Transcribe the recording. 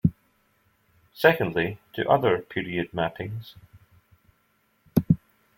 Secondly, to other period mappings.